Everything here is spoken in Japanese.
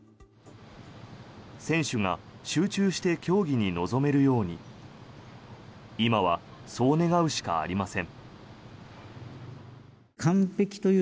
選手が集中して競技に臨めるように今は、そう願うしかありません。